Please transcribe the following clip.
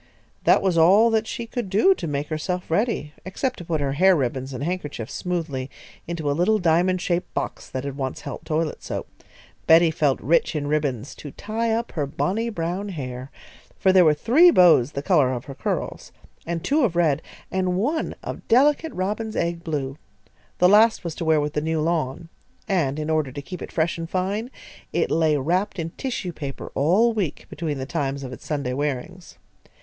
That was all that she could do to make herself ready, except to put her hair ribbons and handkerchiefs smoothly into a little diamond shaped box that had once held toilet soap. Betty felt rich in ribbons "to tie up her bonnie brown hair," for there were three bows the colour of her curls, and two of red, and one of delicate robin's egg blue. The last was to wear with the new lawn, and, in order to keep it fresh and fine, it lay wrapped in tissue paper all week, between the times of its Sunday wearings.